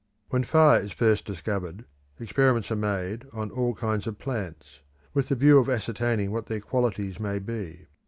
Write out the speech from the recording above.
When fire is first discovered, experiments are made on all kinds of plants, with the view of ascertaining what their qualities may be.